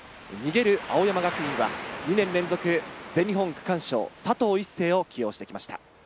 逃げる青山学院は２年連続全日本区間賞・佐藤一世を起用してきました。